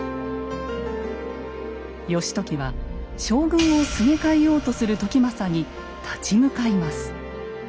義時は将軍をすげ替えようとする時政に立ち向かいます。